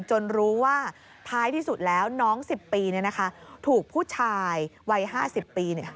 รู้ว่าท้ายที่สุดแล้วน้อง๑๐ปีถูกผู้ชายวัย๕๐ปี